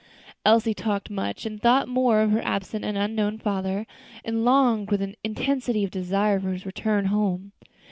Elsie talked much and thought more of her absent and unknown father, and longed with an intensity of desire for his return home.